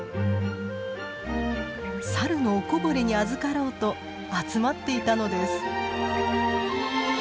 サルのおこぼれにあずかろうと集まっていたのです。